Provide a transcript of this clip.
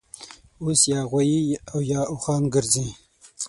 اوس یا غوایي اویا اوښان ګرځي